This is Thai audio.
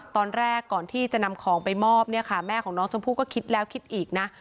ตอนแรกก่อนที่จะนำของไปมอบเนี่ยค่ะแม่ของน้องชมพู่ก็คิดแล้วคิดอีกนะ